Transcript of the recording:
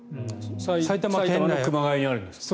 埼玉の熊谷にあるんですよね。